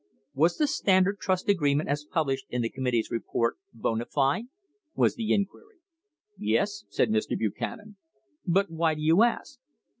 "Was the Standard trust agreement as published in the committee's report bona fide?" was the inquiry. "Yes," said Mr. Buchanan. "But why do you ask?"